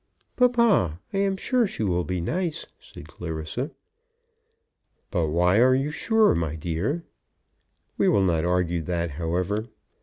"Papa, I am sure she will be nice," said Clarissa. "But why are you sure, my dear? We will not argue that, however.